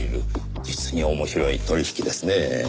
実に面白い取引ですねぇ。